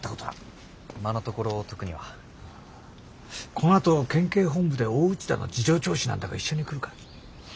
このあと県警本部で大内田の事情聴取なんだが一緒に来るか？